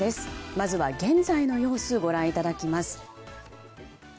まずは現在の様子をご覧いただきます。